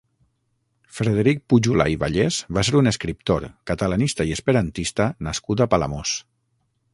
Frederic Pujulà i Vallès va ser un escriptor, catalanista i esperantista nascut a Palamós.